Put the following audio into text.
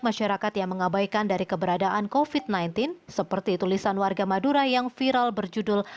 masyarakat yang mengabaikan dari keberadaan kofit sembilan belas seperti tulisan warga madura yang viral berjudul